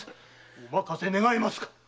お任せ願えますか？